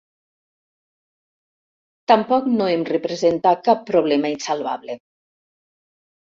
Tampoc no em representa cap problema insalvable.